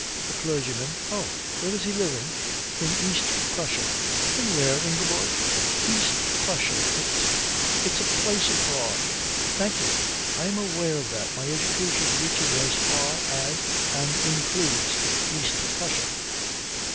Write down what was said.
"A clergyman." "Oh. Where is he living?" "In East Prussia." "In where, Ingeborg?" "East Prussia. It it's a place abroad." "Thank you. I am aware of that. My education reaches as far as and includes East Prussia."